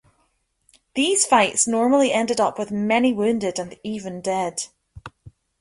These fights normally ended up with many wounded and even dead.